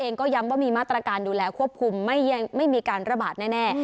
เองก็ย้ำว่ามีมาตรการดูแลควบคุมไม่มีการระบาดแน่